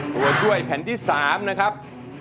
ตัวช่วยแผ่นที่๓นะครับ